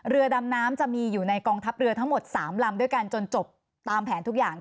เรือดำน้ำจะมีอยู่ในกองทัพเรือทั้งหมด๓ลำด้วยกันจนจบตามแผนทุกอย่าง